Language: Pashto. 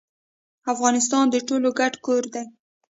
افغانستان د ټولو ګډ کور دی